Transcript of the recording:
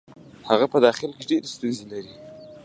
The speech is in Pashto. هغه په داخل کې ډېرې ستونزې لري.